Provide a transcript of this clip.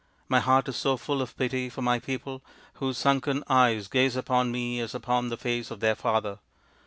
My heart is so full of pity for my people, whose sunken eyes gaze upon me as upon the face of their father.